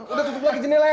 udah tutup lagi jenela ya